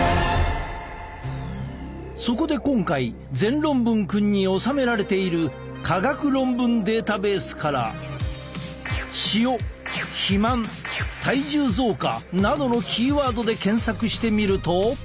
そこで今回全論文くんに収められている科学論文データベースからなどのキーワードで検索してみると。